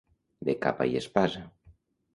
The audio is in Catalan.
De capa i espasa.